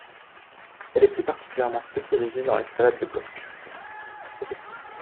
Elle est plus particulièrement spécialisée dans l'escalade de bloc.